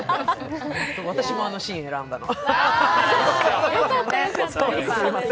私もあのシーンを選んだの。